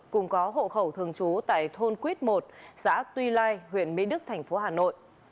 cùng có hộ khẩu thường trú tại thôn quýt một xã tuy lai huyện mỹ đức thành phố hà nội